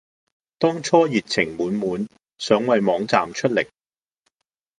當初熱情滿滿想為網站出力